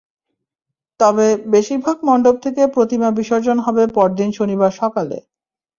তবে বেশির ভাগ মণ্ডপ থেকে প্রতিমা বিসর্জন হবে পরদিন শনিবার সকালে।